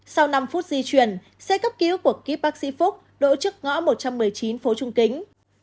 sau năm phút di chuyển xe cấp cứu của kiếp bác sĩ phúc đỗ trước ngõ một trăm một mươi chín phố trung kính